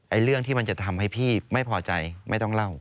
เรื่องที่มันจะทำให้พี่ไม่พอใจไม่ต้องเล่า